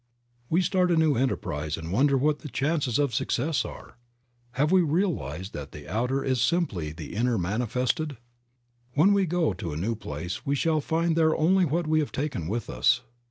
We start a new enterprise and wonder what the chances of success are; have we realized that the outer is simply the inner manifested? When we go to a new place we shall find there only what we have taken with us.